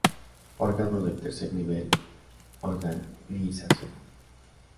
Órganos del tercer nivel organizacional.